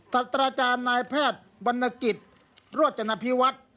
ศัตราจารย์นายแพทย์วรรณกิจโรจนพิวัฒน์